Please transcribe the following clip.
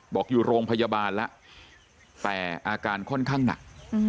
บอกอยู่โรงพยาบาลแล้วแต่อาการค่อนข้างหนัก